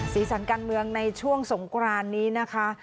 สีสันการเมืองในช่วงสงกรานนี้นะคะ